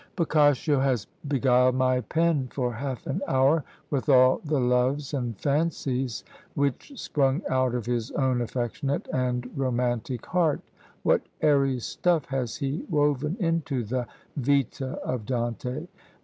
Boccaccio has beguiled my pen for half an hour with all the loves and fancies which sprung out of his own affectionate and romantic heart. What airy stuff has he woven into the "Vita" of Dante!